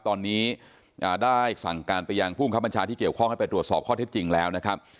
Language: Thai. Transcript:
ตอนนี้ได้สั่งการไปยังภูมิคับบัญชาที่เกี่ยวข้องให้ไปตรวจสอบข้อเท็จจริงแล้วนะครับ